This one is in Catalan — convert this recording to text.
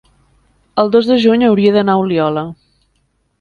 el dos de juny hauria d'anar a Oliola.